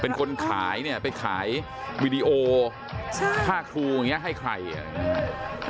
เป็นคนขายเนี่ยไปขายวีดีโอค่าครูอย่างเงี้ให้ใครอ่ะ